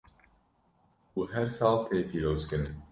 û her sal tê pîrozkirin.